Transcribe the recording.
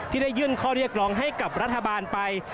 ได้ยื่นข้อเรียกร้องให้กับรัฐบาลไป